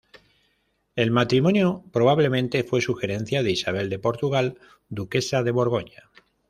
El matrimonio probablemente fue sugerencia de Isabel de Portugal, duquesa de Borgoña.